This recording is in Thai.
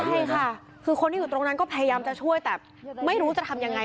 ใช่ค่ะคือคนที่อยู่ตรงนั้นก็พยายามจะช่วยแต่ไม่รู้จะทำยังไง